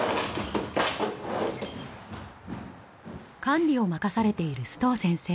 管理を任されている須藤先生。